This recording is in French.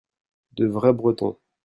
de vrais Bretons.